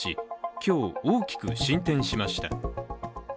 今日、大きく進展しました。